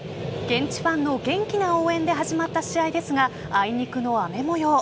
現地ファンの元気な応援で始まった試合ですがあいにくの雨模様。